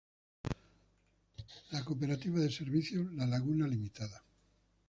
La cooperativa de servicios La Laguna Ltda.